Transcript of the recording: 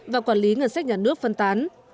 và quản lý ngân sách nhà nước phân tán